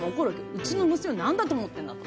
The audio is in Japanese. うちの娘を何だと思ってるんだと。